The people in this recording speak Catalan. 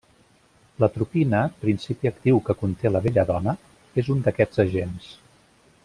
L'atropina, principi actiu que conté la belladona, és un d'aquests agents.